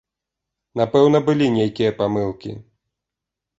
Напэўна, былі нейкія памылкі.